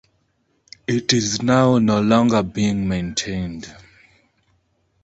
It is now no longer being maintained.